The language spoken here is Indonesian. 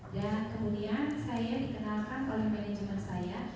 dan kemudian saya dikenalkan oleh manajemen saya